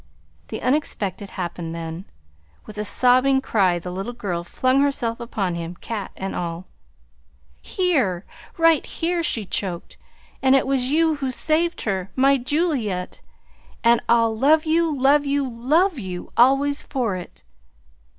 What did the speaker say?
The unexpected happened then. With a sobbing cry the little girl flung herself upon him, cat and all. "Here, right here," she choked. "And it was you who saved her my Juliette! And I'll love you, love you, love you always for it!"